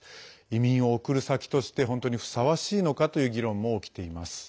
移民を送る先として本当にふさわしいのかという議論も起きています。